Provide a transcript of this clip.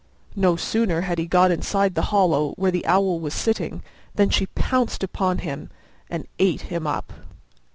No sooner had he got inside the hollow where the Owl was sitting than she pounced upon him and ate him up.